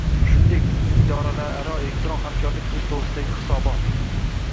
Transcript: shuningdek idoralararo elektron hamkorlik qilish to‘g‘risidagi hisobot